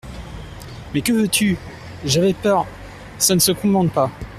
Mais que veux-tu ?… J'avais peur … Ça ne se commande pas.